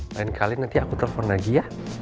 lain kali nanti aku telepon lagi ya